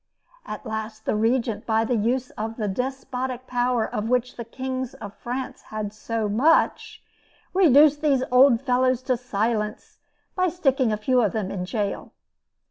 At last, the Regent, by the use of the despotic power of which the Kings of France had so much, reduced these old fellows to silence by sticking a few of them in jail.